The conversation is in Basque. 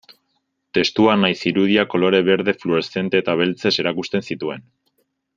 Testua nahiz irudiak kolore berde fluoreszente eta beltzez erakusten zituen.